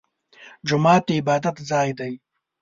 جومات د عبادت ځای دی